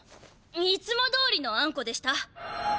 いつもどおりのあんこでした！